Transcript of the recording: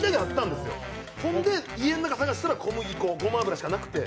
家の中を探したら小麦粉、ごま油しかなくて。